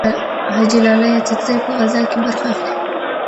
حاجي لالي اڅکزی په غزاکې برخه اخلي.